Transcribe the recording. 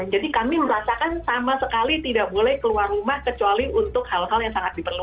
jadi kami merasakan sama sekali tidak boleh keluar rumah kecuali untuk hal hal yang sangat diperlukan